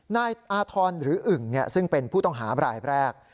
นายอาธรณ์หรืออึ่งซึ่งเป็นผู้ต้องหาบรายแรก